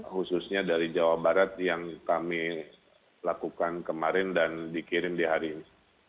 khususnya dari jawa barat yang kami lakukan kemarin dan dikirim di hari ini